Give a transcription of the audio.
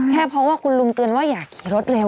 เพราะว่าคุณลุงเตือนว่าอยากขี่รถเร็ว